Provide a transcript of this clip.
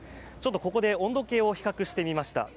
ここで温度計を比較してみました。